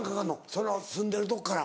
その住んでるとこから。